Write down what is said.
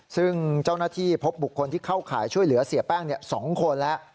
ซึ่งเจ้าหน้าที่พบบุคคลที่เข้าข่ายช่วยเหลือเสียแป้ง๒คนแล้ว